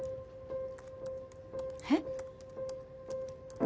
えっ？